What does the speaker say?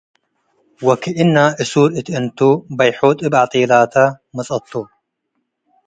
ወክእነና' እሱር እት እንቱ በይሖት እብ ዐጤላተ መጽአቶ።